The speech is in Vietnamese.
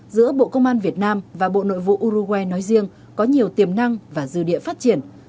giữa bộ công an việt nam và bộ nội vụ uruguare nói riêng có nhiều tiềm năng và dư địa phát triển